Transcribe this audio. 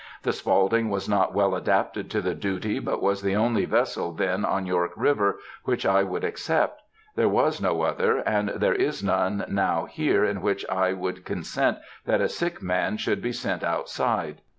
The Spaulding was not well adapted to the duty, but was the only vessel then on York River which I would accept. There was no other, and there is none now here in which I would consent that a sick man should be sent outside.